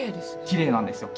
きれいなんですよ。